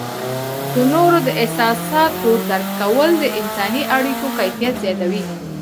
د نورو د احساساتو درک کول د انسانی اړیکو کیفیت زیاتوي.